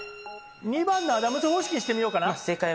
２番のアダムズ方式にしてみようかな？